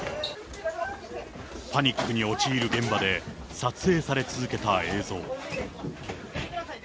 パニックに陥る現場で、撮影され続けた映像。